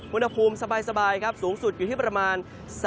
อุณหภูมิสบายครับสูงสุดอยู่ที่ประมาณ